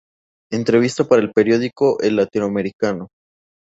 Entrevista para el Periódico El Latinoamericano